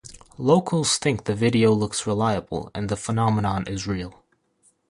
Locals think the video looks reliable, and the phenomenon is real.